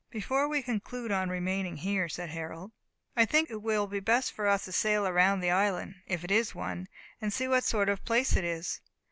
"Before we conclude on remaining here," said Harold. "I think it will be best for us to sail around the island, if it is one, and see what sort of a place it is."